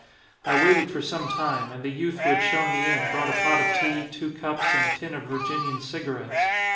I waited for some time and the youth who had shown me in brought a pot of tea, two cups, and a tin of Virginian cigarettes.